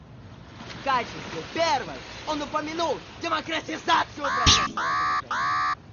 В качестве первой он упомянул демократизацию процесса разоружения.